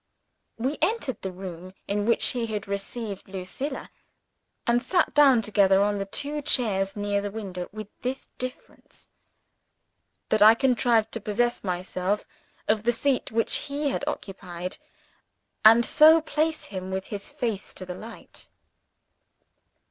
We entered the room in which he had received Lucilla; and sat down together on the two chairs near the window with this difference that I contrived to possess myself of the seat which he had occupied, and so to place him with his face to the light.